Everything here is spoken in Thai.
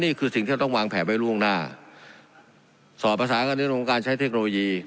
นี่คือสิ่งที่เราต้องวางแผนไว้ล่วงหน้าสอบภาษากันเรื่องของการใช้เทคโนโลยี